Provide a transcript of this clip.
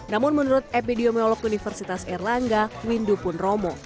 namun menurut epidemiolog universitas erlangga windu pun romo